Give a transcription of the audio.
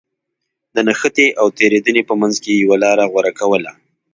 د نښتې او تېرېدنې په منځ کې يوه لاره غوره کوله.